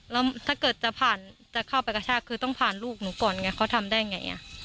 แล้วถ้าเกิดจะผ่านจะเข้าไปกระชากคือต้องผ่านลูกหนูก่อนไงเขาทำได้ไง